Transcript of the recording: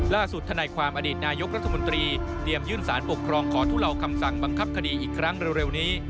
ทนายความอดีตนายกรัฐมนตรีเตรียมยื่นสารปกครองขอทุเลาคำสั่งบังคับคดีอีกครั้งเร็วนี้